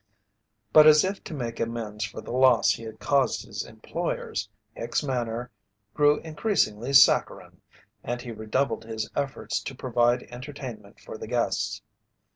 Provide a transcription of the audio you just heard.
But as if to make amends for the loss he had caused his employers, Hicks' manner grew increasingly saccharine and he redoubled his efforts to provide entertainment for the guests.